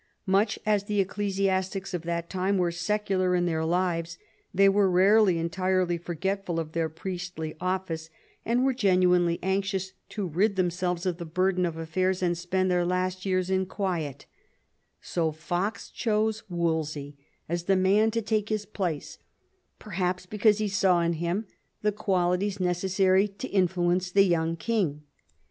Much as the ecclesiastics of that time were secular in their lives, they were rarely entirely for getful of their priestly office, and were genuinely anxious to rid themselves of the burden of affairs and spend their last years in quiet So Fox chose Wolsey as the man to take his place, perhaps because he saw in him the qualities necessary to influence the young king.